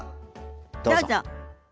どうぞ。